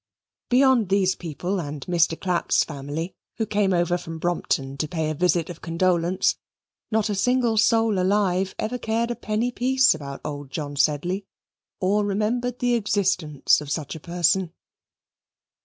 Beyond these people and Mr. Clapp's family, who came over from Brompton to pay a visit of condolence, not a single soul alive ever cared a penny piece about old John Sedley, or remembered the existence of such a person.